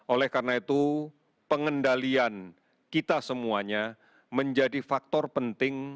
oleh karena itu pengendalian kita semuanya menjadi faktor penting